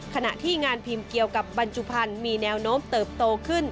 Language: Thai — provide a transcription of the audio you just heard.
ขณะที่งานพิมพ์เกี่ยวกับบรรจุภัณฑ์มีแนวโน้มเติบโตขึ้น